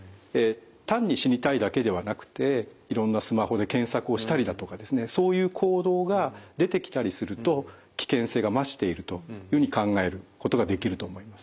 単に「死にたい」だけではなくていろんなスマホで検索をしたりだとかですねそういう行動が出てきたりすると危険性が増しているというふうに考えることができると思います。